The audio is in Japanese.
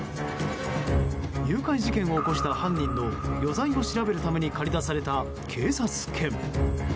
誘拐事件を起こした犯人の余罪を調べるために駆り出された警察犬。